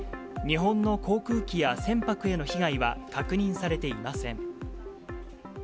日本の航空機や船舶への被害は確認されていません。